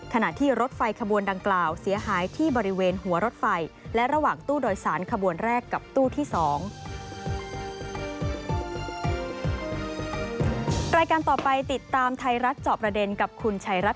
ขณะที่รถไฟขบวนดังกล่าวเสียหายที่บริเวณหัวรถไฟและระหว่างตู้โดยสารขบวนแรกกับตู้ที่สอง